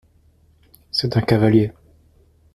C’est un cavalier.